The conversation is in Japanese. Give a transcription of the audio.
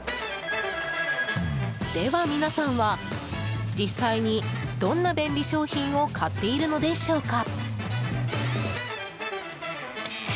では皆さんは実際にどんな便利商品を買っているのでしょうか。